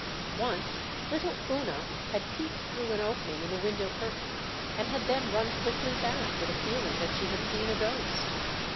Once little Oona had peeped through an opening in the window curtain, and had then run quickly back, with a feeling that she had seen a ghost.